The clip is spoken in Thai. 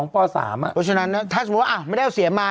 เพราะฉะนั้นถ้าสมมุติว่าไม่ได้เอาเสียงมา